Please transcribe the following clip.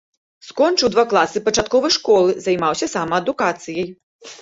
Скончыў два класы пачатковай школы, займаўся самаадукацыяй.